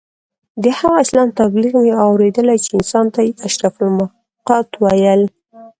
د هغه اسلام تبلیغ مې اورېدلی چې انسان ته یې اشرف المخلوقات ویل.